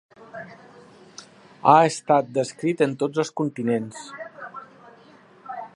Ha estat descrit en tots els continents.